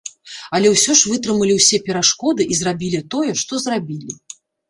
Але ўсё ж вытрымалі ўсе перашкоды і зрабілі тое, што зрабілі!